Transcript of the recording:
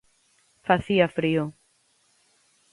Facía frío.